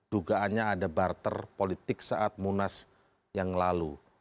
dugaannya ada barter politik saat munas yang lalu